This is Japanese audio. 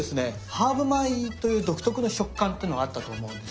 ハーブ米という独特の食感ってのがあったと思うんです。